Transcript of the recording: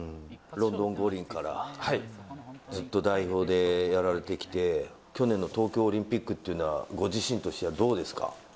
ロンドン五輪からずっと代表でやられてきて、去年の東京オリンピックというのは、ご自身としてはどうですか。